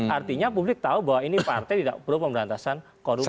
artinya publik tahu bahwa ini partai tidak pro pemberantasan korupsi